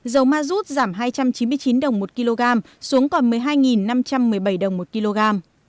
dầu ma rút giảm hai trăm chín mươi chín đồng một kg xuống còn một mươi hai năm trăm một mươi bảy đồng một kg